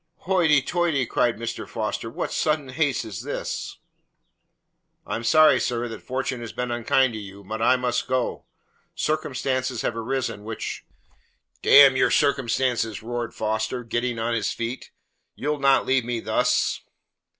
"Hoity toity!" cried Mr. Foster. "What sudden haste is this?" "I am sorry, sir, that Fortune has been unkind to you, but I must go. Circumstances have arisen which " "D n your circumstances!" roared Foster, get ting on his feet. "You'll not leave me thus!"